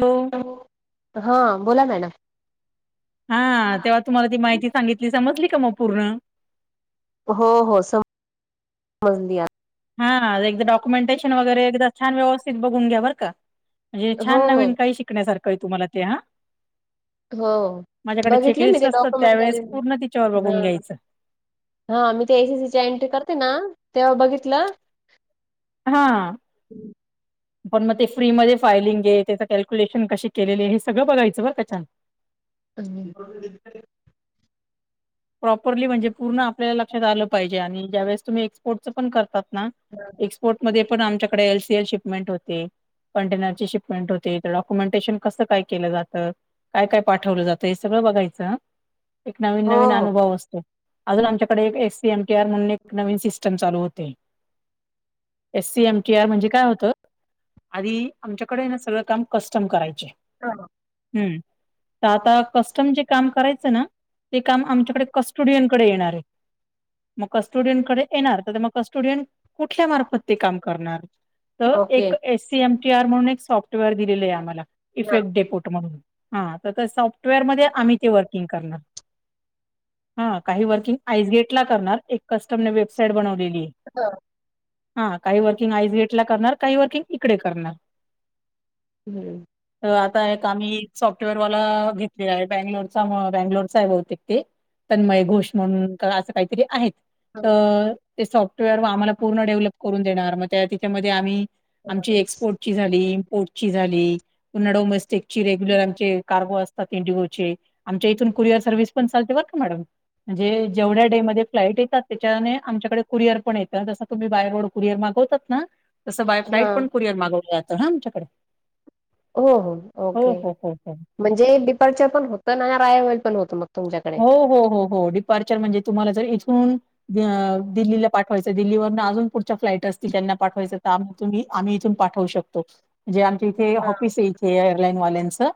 Hello हा बोला madam. हा तेव्हा तुम्हाला ती माहिती सांगितली समजली का मग पूर्ण? हो हो सम मजली. हा एकदा डॉक्युमेंटेशन वगैरे एकदा छान व्यवस्थित बघून घ्या बर का. म्हणजे हो छान हो नवीन काही शिकण्यासारखं आहे तुम्हाला ते हा. हो माझ्याकडे बघितले मी चेकलिस्ट ते असतं डॉक्युमेंट त्यावेेळेस पूर्ण तिच्यावर हा बघून घ्यायचं. हा मी ते एसीसी एंट्री करते ना तेव्हा बघितलं हां. पण मग ते फ्री मध्ये फायलिंग आहे त्याचं कॅल्क्युलेशन कसे केलेलं हे सगळं बघायचं बरं का छान. [unintelligible] प्रॉपरली म्हणजे पूर्ण आपल्याला लक्षात आलं पाहिजे आणि ज्यावेेळेस तुम्ही एक्सपोर्टच पण करतात ना हम. एक्सपोर्ट मध्ये पण आमच्याकडे एल सी एल शिपमेंट होती. कंटेनर ची शिपमेंट होते, तर डॉक्युमेंटेशन कसं काय केलं जातं काय काय पाठवलं जातं हे सगळं बघायचं हा एक नवीन हो नवीन हो. अनुभव असतो. अजून आमच्याकडे एक S. C. M. T. R. म्हणून एक नवीन सिस्ट टीम चालू होती. S. C. M. T. R. म्हणजे काय होत आधी आमच्याकडे ना सगळं काम कस्टम करायचे. हा हा. हम, तर आता कस्टम जे काम करायचं ना ते काम आमच्या कडे कस्टोडियनकडे येणार आहे. मग कस्टोडियंटकडे येणार तर मग कस्टोडियन कुठल्या मार्फत ते काम करणार? तर ओके. एक S. C. M. T. R. म्हणून एक सॉफ्टवेअर दिलेलं आहे आम्हाला इफेक्ट हा. डेपोट म्हणून हा त त्या सॉफ्टवेअरमध्ये हम्म. आम्ही ते वर्किंग करणार. हा काही वर्किंग आइजेट ला करणार एक कस्टमने वेबसाईट बनवलेलीये. हा काही वर्किंग आईजेट ला करणार काही वर्किंग इकडे करणार. तर आता एक आम्ही सॉफ्टवेअरवाला घेत बंगलोरचा म बंगलोरचा आहे. बहुतेक ते तन्मय घोष म्हणून तर असं काहीतरी आहेत. तर ते सॉफ्टवेअर आम्हाला पूर्ण डेव्हलप करून देणार मग त्या तेच्यामध्ये आम्ही आमची एक्सपोर्टची झाली. कोर्ट ची झाली उन्हाडोमेस्टिक ची रेग्युलर आमचे कार्गो असतात इंडिगोचे आमच्या इथून कुरिअर सर्व्हस पण चालते बरं का मॅडम म्हणजे जेवढ्या डे मध्ये फ्लाईट येतात त्याच्याने आमच्याकडे कुरिअर पण येत जसं तुम्ही बाय रोड कुरिअर मागवतात ना. तसं बाय फ्लाईट पण हा. कुरिअर मागवलं जातं हा आमच्याकडे हो हो हो ओके हो हो हो म्हणजे डिपर्चर पण होतं ना राया वेल पण होतं मग तुमच्याकडे हो हो हो डिप्चर म्हणजे तुम्हाला जरी [unintelligible] अ ते दिलं पाठवायचं दिल्लीवरून अजून पुढच्या फ्लाईट असतील त्यांना पाठवायचं. तुम्ही आम्ही इथून पाठवू शकतो. म्हणजे हा. आमचे इथे ऑफिस ये. ते एअरलाईन वाल्यांचं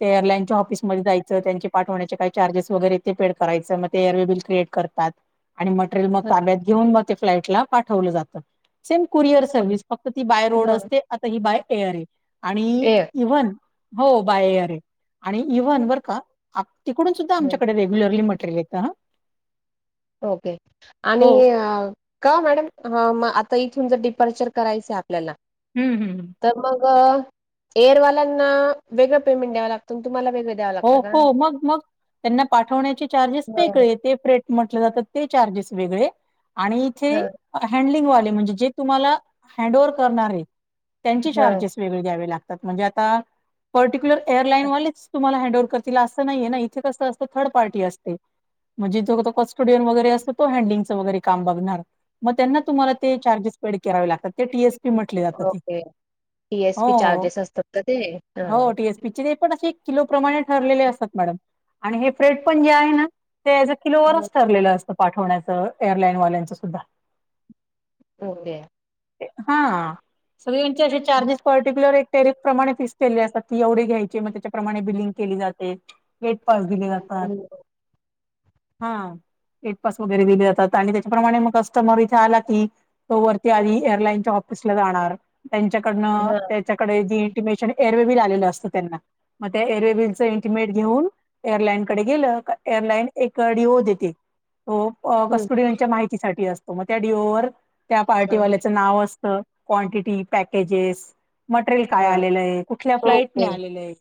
ते एअरलाईनच्या ऑफिसमध्येध्ये जायचं त्यांचे पाठवण्याचे काय चार्जेस वगैरे ते पेड करायचं ते म लगेच क्रिएट करतात. आणि मटेरिअल मग हा. ताब्यात. घेऊन मग ते फ्लाईटला पाठवलं जातं. सेम कुरिअर सर्व्हिस फक्त ती बाय रोड असते. आता ही बाय एअर आहे. आणि इव्हन हो बाय एअर आणि इव्हन बरं का आप तिकडून सुद्धा हा. आमच्या वेगळी लागली म्हटली येताना. ओके आणि हो अ का मॅडम हा म आता इथून जर डिपार्चर करायचंय आपल्याला हम् हम् तर मग एअरवाल्यांना वेगळं पेमेंट द्यावं लागतो तुम्हाला वेग वेगळं द्यावं हो लागतं का? हो मग मग त्यांना पाठवण्याचे चार्जेस हां, वेगळे ते फ्रेट म्हटलं जातं ते चार्जेस वेगळे. आणि इथे हां, हँडलिंगवाले म्हणजे जे तुम्हाला हँड ओवर्हर करणार आहेत. त्यांचे हां. चार्जेस वेगळे घ्यावे लागतात. म्हणजे आता पर्टिक्युलर एअरलाईनवालेच तुम्हाला हँड वर्क दिल असतं ना ह्यांना इथे कसं असतं थर्ड पार्टी असते. म्हणजे [unintelligible] कस्टोडियन वगैरे असतो, तो हँडिंगं च वगैरे काम बगणार. मग त्यांना तुम्हाला ते चार्जेस पेड करावे लागतात ते टी-एस-पी म्हटले जातात. ओके. टी-एस-पी हो चार्जेस असतात. का ते हा पच पण असे किलो प्र्रमाणे ठरलेले असतात. मॅडम आणि हे फ्रेट पण जे आहे ना. ते ज अ हं, किलोवरच ठरलेलं असतं. पाठवण्याचं एअरलाईनवाल्यांचं सुद्धा ओके. हं. हां सगचे असे चार्जेस पर्टिक्युलर एक टेरिफ प्रमाणे फिक्स केले असतात. ती एवढी घ्यायची मग त्याच्याप्रमाणे बिलिंग केली जाते. गेट पास दिले जातात. हां एट पास वगैरे दिले जातात. आणि त्याच्याप्रमाणे मग असं. समोर इथे आला की, तो वरती आधी एअरलाईनच्या ऑफिसला जाणार. त्यांच्याकडनं हां. त्याच्याकडे जी इंटिमेशन एअरवेबिल आलेलं असतं त्यांना मग त्या एअरवे बिलच इंटिमेट घेऊन एअरलाईन कडे गेलं एअरलाईन एकडी हो देते. तो अ हं. कस्टुडियनच्या माहितीसाठी असतो. मग त्या डिओवर त्या हां, पार्टीवाल्याचं नाव असतं. क्वांटिटी पॅकेजेस मटेरियल काय हां. आलेलं आहे कुठल्या ओके. फ्लाइटनेे आलेलं आहे.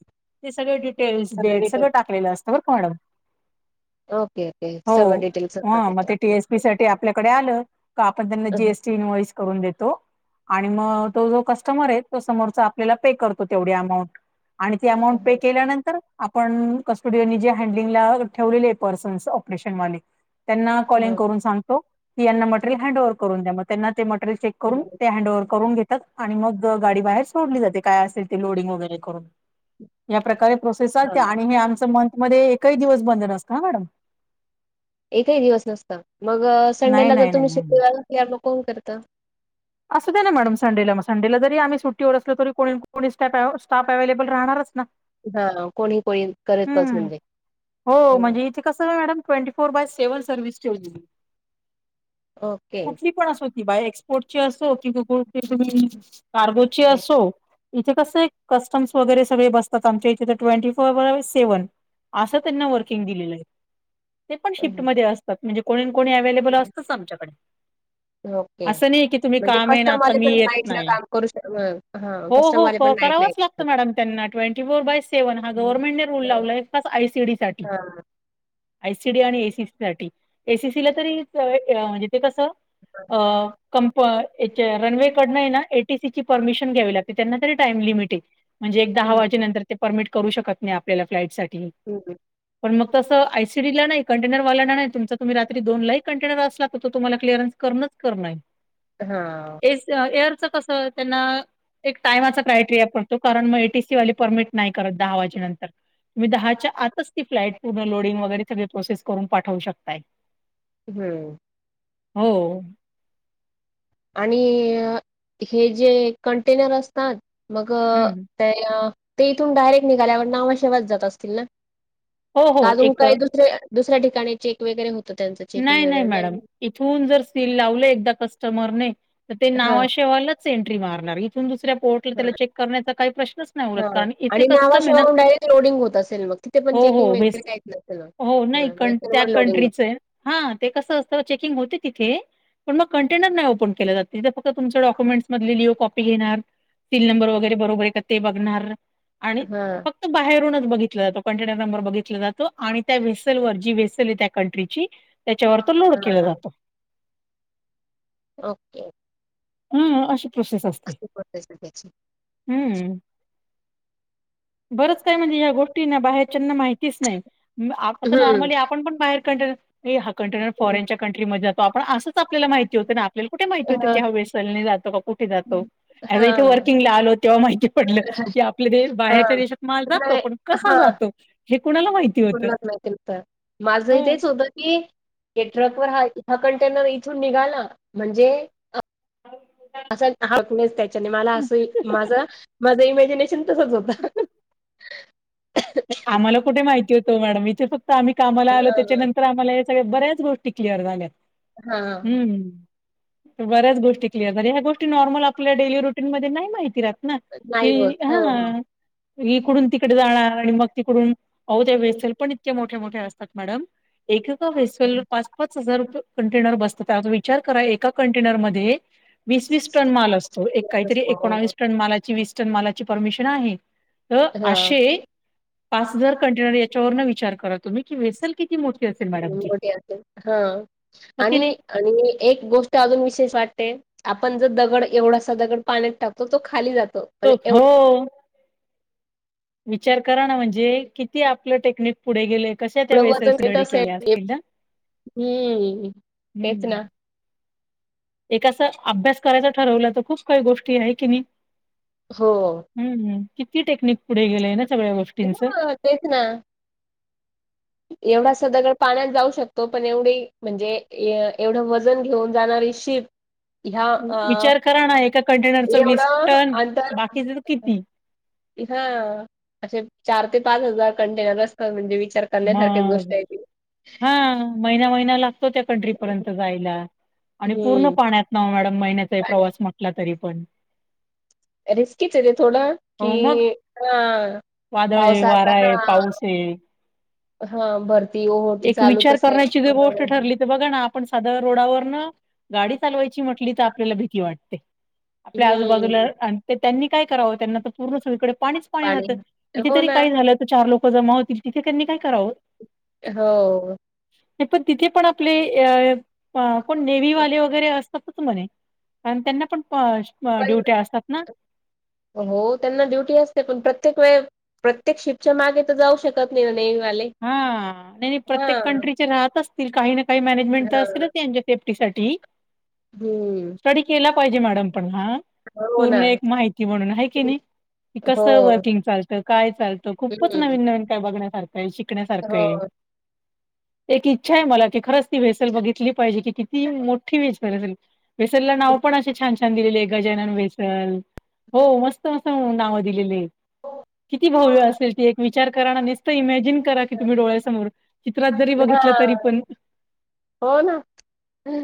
सगळ डिटेल्स सगळे डेट डिटेल सगं टाकलेलं असतं बर का मॅडम ओके ओके सगळे डिटेल. ह मग ते टी एस पी साठी आपल्याकडे आलं का आपण त्यांना जी हम्म. एस टी इनवइस करून देतो. आणि मग तो जो कस्टमर आहे तो समोरचा आपल्याला पे करतो तेवढ्या अमाऊंट. आणि अमाऊंट पे केल्यानंतर आपण कस्टोडिओनी जे हँडलिंगला ठेवलेले आहे पर्सन्स ऑपरेशन वाले त्यांना कॉलिंग हा. करून सांगतो की यांना मटरेल हँड ओव्हर करून द्या मग त्यांना ते मटरेल चेक करून ते हँड ओव्हर करून घेतात आणि मग गाडी बाहेर सोडली जाते काय असेल ते लोडिंग, वगैरे करून. [inaudible] या प्रकारे प्रोसेस चालते. आणि हे आमच मंथ मध्ये एकही दिवस बंद नसत मॅडम. एकही दिवस नसत मग नाही संडेला जर नाही नाही तुम्ही नाही सुट्टी मग कोण करत? असं दे ना मॅडम संडेला [unintelligible] संडेला जरी आम्ही सुट्टीवर असल. तरी कोणी स्ट स्टाफ अव्हेलेबल राहणारच ना. हा कोणी कोणी करतच म्हणजे. ते कसं मॅडम ट्वेटी फोर बाय सेव्हन सर्विस ठेवली. ओके. कुठली पण अस ती बाय एक्सपोर्ट कि तुम कारगच अस [unintelligible] सो इथे कसं कस्टम्स वगैरे सगळे बसतात आमच्या इथे ट्वेंटी फोर बाय सेव्हन असं त्यांना हं. वर्किंग दिलेलं आहे. ते पण शिफ्टमध्ये असतात. म्हणजे कोणी कोणी अवेलेबल हं. असतच आमच्याकडे. ओके. असं नाही की तुम्ही म्हणजे काम आहे ना आता कस्टमवाले मी पण येत नाईट ला नाही काम करू शक हा हो हो कस्टमवाले क पण नाईट ला करावंच येतात. लागतं मॅडम त्यांना ट्वेटी फोर बाय सेव्ह हा गव्हर्नमेंट न रूल लावलाय आय सी डी साठी. आय सी डी आणि ए सी साठी ए सी ए सी ला तरी ते कस [unintelligible] [unintelligible] रनवेकडनं आहे ना ए टी सी ची परमिशन घ्यावी लागते त्यांना तरी टाइम लिमिटेड आहे. म्हणजे एक दहा हा. वाजे नंतर परमिट करू शकत नाही आपल्या फ्लाईट साठी हम्म हम्म. पण मग तस आय सी सी सडी नाही कंटनर वाल्यांना नाही तुमचा तुम्ही रात्री दोन ला कंटनर असला तर तुमला क्लिअरनस करणच करण आहे. हा. ए एअरच कस त्यांना एक टायमाच क्रायटेरिया पण तो कारण मग ए टी सी वाली परमिट नाही करत दहा वाजेनंतर मी दहाच्या आतच ती फ्लाईट पूर्ण लोडिंग वगैरे सग प्रोसेस करून पाठवू शकता. हम्म. हो. आणि हे जे कंटेनर असतात मग हम्म ते ते इथून डायरेक्ट निघाल्यावर नावाशेवाात जात असतील ना? हो हो अजून एक काही दुसऱ्या दुसऱ्या ठिकाणी चेक वगैरे होत त्यांचं चेकिंग नाही वगैरे मॅडम नाही. इथून जर सील लावल एकदा कस्टमरने हां, नावाशिवालच एन्ट्री मारणार इथून दुसरं दुसऱ्या पोर्ट हां, त्याला चेक करण्याचा काही प्रश्नच नाही उरत हां कारण इथे आणि कस्टम आहे ना. नावाशेवाहून डायरेक्ट लोडिंग होत असेल मग तिथे पण हो चेकिंग हो भेस वगैरे काहीच नसेल मग? हो नाही हां, क त्या वेहिकलवर लोडिंग आहे. कंट्रीच हा ते कसं असत चेकिंग होते. तिथे पण मग कंटेनर नाही ओपन केलं जात. तिथं फक्त तुम डॉक्युमेंट्स मधली लिओ कॉप घेणार सील नंबर वगैरे बरोबर ते बघणारं आणि हां. फक्त बाहेरूनच हां, बघितलं जातो. कंटेनर नंबर बघितला जातो आणि त्या व्हेसलवरची व्हेसल हे त्या कंट्रीची त्याच्यावर तो लोड केला जातो. ओके. हम्म, अशी प्रोसेस असते. प्रोसेस आहे त्याची. [inaudible] हम्म. बरंच काय म्हणजे, या गोष्टींना बाहेरच्यांना माहितीच नाही. आता तर नॉर्मली हं. आपण पण बाहेर-कडं हा कंटेनर फॉरनच्यां कंट्रीमध्ये जातो, आपण असंच आपल्याला माहिती होतं हां. ना, आपल्याला कुठे माहिती होतं कि ह्या चलने जातो, का कुठे जातो. [unintelligible] इथे हां. वर्किंगला आलो, तेव्हा माहिती पडलं, की आपले [unintelligible] बाहेरच्या देशात माल जातो, पण कसा हा. जातो हे कुणाला माहिती होतं [inaudible] तर. माझं ही हो. तेच होतं की. ऐ ट्रक वर हा हा कंटेनर इथून निघाला म्हणजे [unintelligible] असेल हाफनेस त्याच्याने मला असं, माझं-माझं इमेजिने चिंतेतच होतं. आम्हाला हां. कुठे माहिती होतं वाढवीचे, फक्त आम्ही कामाला आलो त्याच्यानं तर आम्हाला हे सगळे बऱ्याच गोष्टी क्लिअर झाल्यात. हा. बऱ्याच गोष्टी क्लिअर झाल्या, ह्या गोष्टी नॉर्मल आपल्या डेली रुटीनमध्ये नाही माहिती राहत. ना, नाही होत. हो, हो. ही-हा इकडून तिकडे जाणार. मग तिकडून अहो त्या वेसल पण इतके मोठे-मोठे असतात मॅडम. एक-एका वेसल पाच-पाच हजार रुपये कंटेनर बसतात, त्यात विचार करा एका हं. कंटेनरमध्ये वीस-वीस टन माल हां. असतो, एक काहीतरी एकोणावीस टन मालाची वीस टन मालाची परमिशन आहे, तर अशी पाच हजार कंटेनर याच्यावरणं विचार करा तुम्ही, की वेसल किती मोठी असेल मॅडम. ती मोठी आतु. हां. हो की आणि नई. आणि ही एक गोष्ट अजून विशेष वाटते. आपण जर दगड ऐवढासा दगड पाण्यात टाकतो, तो खाली जातो. पण एवढं [unintelligible] विचार करा ना, म्हणजे किती आपलं टेक्निक पुढे गेले कशा त्या वजन वेसेल्स घेत रेडी असेल केल्या असतील ना. हम्म. [inaudible] तेच हम्म. ना. एक असं अभ्यास करायचं ठरवलं, तर खूप काही गोष्टी आहे की नाही. हो. हम्म-हम्म, किती टेक्निक पुढे गेलंय ना सगळ्या गोष्टींच. हां ऐवढासा दगड पाण्यात जाऊ शकतो, पण एवढी म्हणजे एवढं वजन घेऊन जाणारी शीप विचार करा ना, एका कंटेनरच वीस एवढं टन बाकीच्याचं किती? इथं अशे चार ते पाच हजार कंटेनर असतात, म्हणजे विचार [inaudible] करण्यासारखीच हा, गोष्ट आहे ती. महिना महिनाला त्या कंट्री पर्यंत जायला आणि पूर्ण हम्म पाण्यात नाय ओ मॅडम महिन्याचा ही प्रवास म्हटला तरी पण रिस्कीच हे ना थोडं, कि हो मग हं. वादळ आहे, पावसाचा वारा हा, आहे, पाऊस आहे. हा बर ती हो ओटी चालूच असते. त बघा ना, आपण साधं रोडावरण गाडी हम्म चालवायची म्हटली तर आपल्याला भीती वाटते. आपल्या आजूबाजूला आणि ते त्यांनी काय करावं? त्यांना त पूर्ण सगळीकडे पाणीच पाणी राहतं. इथे हो तरी ना काय झालं तर चार लोक जमा होतील. तिथे त्यांनी काय करावं? हो. नाही पण तिथे पण आपले अ कोण? नेव्हीवाले वगैरे असतातच म्हणे. कारण त्यांना पण प पण ड्युटी असतात ना. हो त्यांना ड्युटी असते. पण प्रत्येक वेळ प्रत्येक शिपच्या मागे तर जाऊ शकत नाही ना, नेव्ही वाले. हा, नाही नाही प्रत्येक कंट्रीचे राहत असतील. काही ना काही मॅनेजमेंट त हा असतीलच त्यांचे सेफ्टी साठी. हम्म. स्टडी केला पाहिजे मॅडम पण हा. हो ना पूर्ण एक माहिती म्हणून हाये की नाही? की हो कसं वर्किंग चालतं? काय चालतं? खूपच हम्म नवीन नवीन काय बघण्यासार खय. शिकण्यासारखंय. हो. एक इच्छाय मला की खरच ती वेसल बघितली पाहिजे किती ती मोठी वेसल असेल. वेसल ला नाव पण असे छान छान दिलेलेय. गजनन वेसल. हो मस्त मस्त नावं दिलेलेय. किती हां भव्य असेल ती. एक विचार कराना. नुसतं इमॅ करा की तुम्ही डोळ्या समोर. चित्रात जरी बघित तरी पण. हो ना.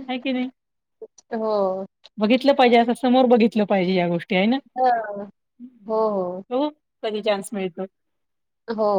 आहे की नाही हो. बघितलं पाहिजे असं समोर बघितलं पाहिजे या गोष्टी हाय ना? हां हो. कधी चान्स मिळतो? हो.